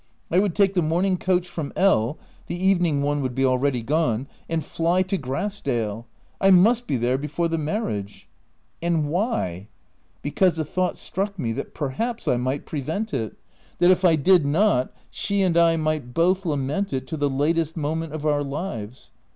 I would take the morning coach from L (the evening one would be already gone), and fly to Grass dale, I must be there before the marriage. And why ? Because a thought struck me, that perhaps 1 might prevent it — that if I did not, she and I might both lament it to the latest moment of our lives.